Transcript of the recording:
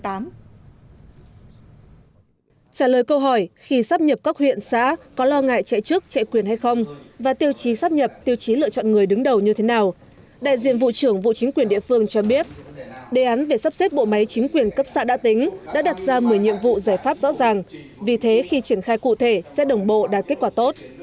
trả lời câu hỏi khi sắp nhập các huyện xã có lo ngại chạy chức chạy quyền hay không và tiêu chí sắp nhập tiêu chí lựa chọn người đứng đầu như thế nào đại diện vụ trưởng vụ chính quyền địa phương cho biết đề án về sắp xếp bộ máy chính quyền cấp xạ đã tính đã đặt ra một mươi nhiệm vụ giải pháp rõ ràng vì thế khi triển khai cụ thể xét đồng bộ đã kết quả tốt